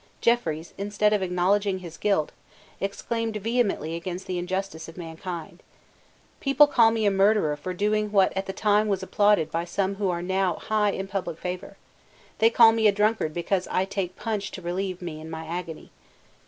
Jeffreys, instead of acknowledging his guilt, exclaimed vehemently against the injustice of mankind. "People call me a murderer for doing what at the time was applauded by some who are now high in public favour. They call me a drunkard because I take punch to relieve me in my agony."